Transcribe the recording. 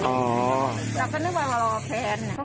เราก็นึกว่ารอแฟน